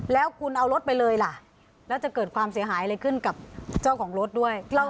แล้วคุณเอารถไปเลยล่ะแล้วจะเกิดความเสียหายอะไรขึ้นกับเจ้าของรถด้วย